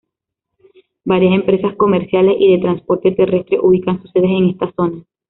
Varias empresas comerciales y de transporte terrestre ubican sus sedes en esta zona.